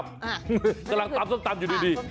กำลังตำส้มตำอยู่ดี